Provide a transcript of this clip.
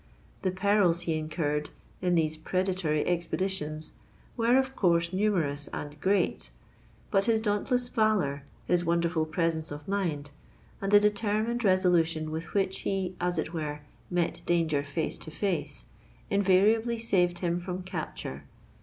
The perils he incurred, in these predatory expeditions, were of course numerous and great; but his dauntless valour—his wonderful presence of mind—and the determined resolution with which he as it were met danger face to face, invariably saved him from capture.